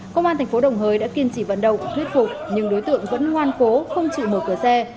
công an thành phố đồng hới đã kiên trì vận động thuyết phục nhưng đối tượng vẫn ngoan cố không chịu mở cửa xe